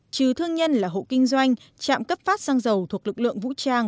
trừ thương nhân là hậu kinh doanh chạm cấp phát xăng dầu thuộc lực lượng vũ trang